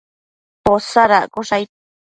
Posadaccosh aid